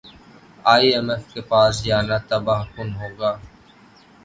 ئی M F کے پاس جانا تباہ کن ہوگا